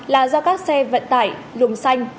là do các xe vận tải lùng xanh